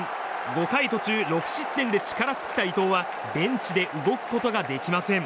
５回途中６失点で力尽きた伊藤はベンチで動くことができません。